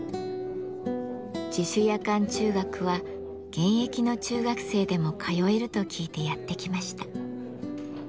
自主夜間中学は現役の中学生でも通えると聞いてやって来ました。